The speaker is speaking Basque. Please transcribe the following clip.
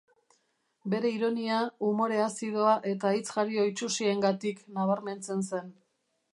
Bere ironia, umore azidoa eta hitz-jario itsusiengatik nabarmentzen zen.